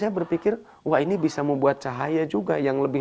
saya mulai berpikir ini bisa mener bayar cahaya di setiap tempat